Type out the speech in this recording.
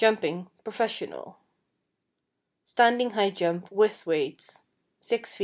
=Jumping, Professional=: Standing high jump, with weights, 6 ft.